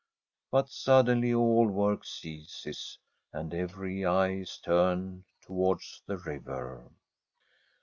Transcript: But suddenly all work ceases, and every eye is turned towards the river.